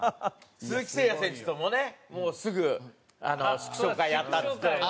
鈴木誠也選手ともねもうすぐ祝勝会やったっつってたもんね。